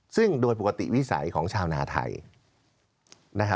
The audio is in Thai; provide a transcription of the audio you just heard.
ซึ่งโดยปกติวิสัยของชาวนาไทย